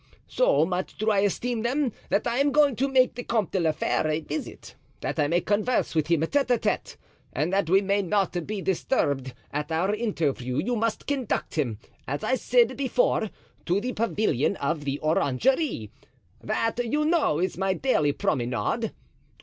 So much do I esteem them that I am going to make the Comte de la Fere a visit, that I may converse with him tete a tete, and that we may not be disturbed at our interview you must conduct him, as I said before, to the pavilion of the orangery; that, you know, is my daily promenade.